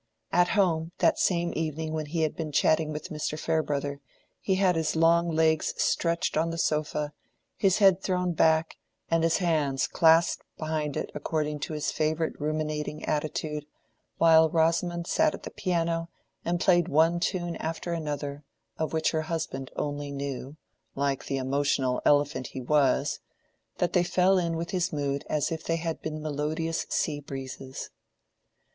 At home, that same evening when he had been chatting with Mr. Farebrother, he had his long legs stretched on the sofa, his head thrown back, and his hands clasped behind it according to his favorite ruminating attitude, while Rosamond sat at the piano, and played one tune after another, of which her husband only knew (like the emotional elephant he was!) that they fell in with his mood as if they had been melodious sea breezes.